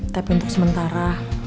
tapi untuk sementara